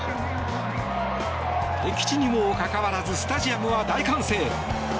敵地にもかかわらずスタジアムは大歓声。